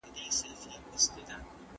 هغه وويل چي کارونه کول مهم دي؟!